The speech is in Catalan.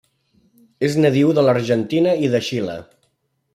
És nadiu de l'Argentina i de Xile.